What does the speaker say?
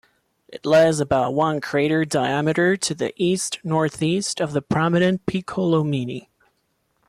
It lies about one crater diameter to the east-northeast of the prominent Piccolomini.